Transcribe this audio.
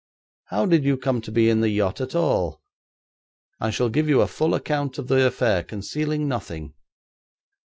'How did you come to be in the yacht at all?' 'I shall give you a full account of the affair, concealing nothing.